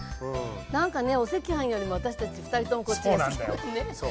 なんかねお赤飯よりも私たち２人ともこっちが好きなのね。